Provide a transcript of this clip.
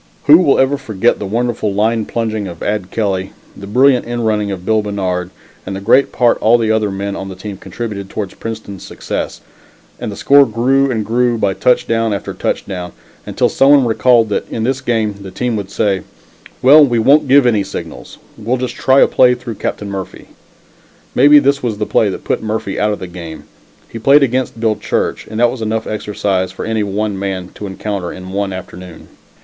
Who will ever forget the wonderful line plunging of Ad Kelly, the brilliant end running of Bill Bannard and the great part all the other men of the team contributed towards Princeton's success, and the score grew and grew by touchdown after touchdown, until some one recalled that in this game, the team would say, "Well, we won't give any signals; we'll just try a play through Captain Murphy." Maybe this was the play that put Murphy out of the game. He played against Bill Church, and that was enough exercise for any one man to encounter in one afternoon.